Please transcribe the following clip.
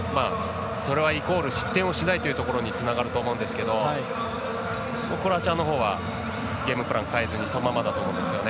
それはイコール失点はしないというところにつながると思うんですけどクロアチアのほうはゲームプラン変えずにそのままだと思うんですよね。